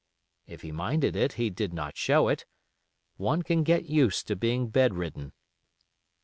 If he minded it, he did not show it. One can get used to being bedridden.